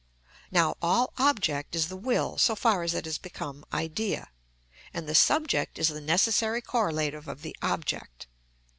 Now all object is the will so far as it has become idea, and the subject is the necessary correlative of the object.